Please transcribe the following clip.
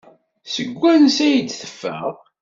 Seg wansi ay d-teffeɣ?